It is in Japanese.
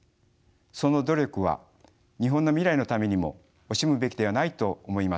その努力は日本の未来のためにも惜しむべきではないと思います。